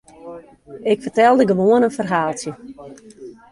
Ik fertelde gewoan in ferhaaltsje.